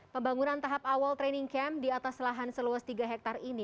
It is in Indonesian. pembangunan tahap awal training camp di atas lahan seluas tiga hektare ini